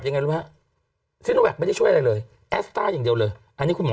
ยังไงรู้ไหมฮะไม่ได้ช่วยอะไรเลยอย่างเดียวเลยอันนี้คุณหมอ